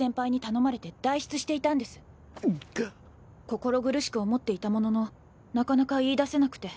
心苦しく思っていたもののなかなか言いだせなくて。